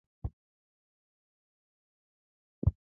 ډرامه باید رښتینې وي